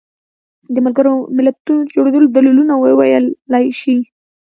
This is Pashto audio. د ملګرو ملتونو د جوړېدو دلیلونه وویلی شي.